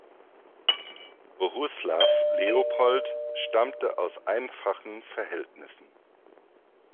Bohuslav Leopold stammte aus einfachen Verhältnissen.